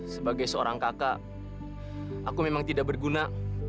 sebagai seorang kakak aku memang tidak berguna